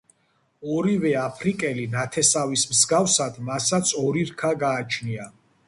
ორივე აფრიკელი ნათესავის მსგავსად მასაც ორი რქა გააჩნია.